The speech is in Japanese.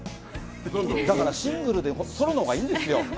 だからシングルで、ソロのほうがいいんですよ。